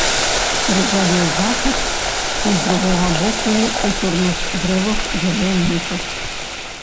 Ружавеў захад і з другога боку ў чорных дрэвах бялеў месяц.